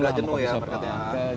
agak jenuh ya